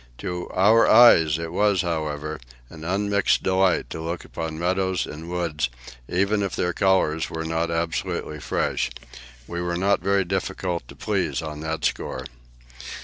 To our eyes it was, however, an unmixed delight to look upon meadows and woods, even if their colours were not absolutely fresh. We were not very difficult to please on that score.